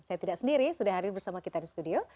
saya tidak sendiri sudah hadir bersama kita di studio